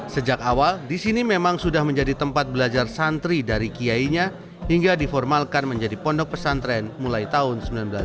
sejak awal di sini memang sudah menjadi tempat belajar santri dari kiainya hingga diformalkan menjadi pondok pesantren mulai tahun seribu sembilan ratus sembilan puluh